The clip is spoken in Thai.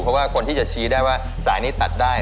เพราะว่าคนที่จะชี้ได้ว่าสายนี้ตัดได้